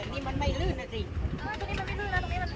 สวัสดีครับ